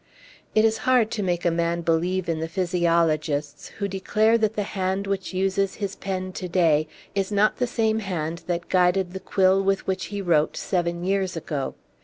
It is hard to make a man believe in the physiologists, who declare that the hand which uses his pen to day is not the same hand that guided the quill with which he wrote seven years ago.